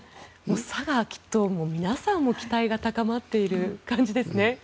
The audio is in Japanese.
佐賀は、きっと皆さん期待が高まっている感じですね。